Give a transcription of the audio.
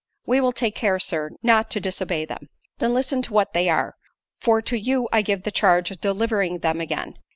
"We will take care, Sir, not to disobey them." "Then listen to what they are, for to you I give the charge of delivering them again.